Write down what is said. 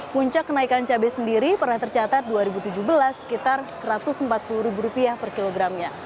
puncak kenaikan cabai sendiri pernah tercatat dua ribu tujuh belas sekitar rp satu ratus empat puluh per kilogramnya